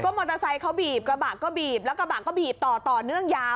มอเตอร์ไซค์เขาบีบกระบะก็บีบแล้วกระบะก็บีบต่อต่อเนื่องยาว